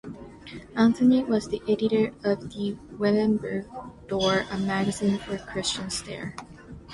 Anthony was the editor of "The Wittenburg Door", a magazine of Christian satire.